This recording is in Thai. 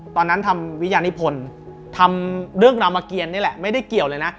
ตอนนั้นทำวิญญานิพลทำเรื่องรามเกียรนี่แหละไม่ได้เกี่ยวเลยนะ